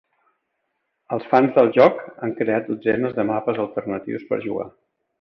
Els fans del joc han creat dotzenes de mapes alternatius per jugar.